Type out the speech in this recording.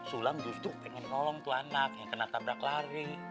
sulam justru pengen nolong tuh anak yang kena tabrak lari